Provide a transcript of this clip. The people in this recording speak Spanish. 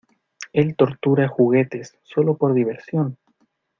¡ Él tortura juguetes, sólo por diversión!